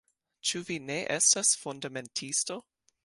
Ĉu vi ne estas fundamentisto?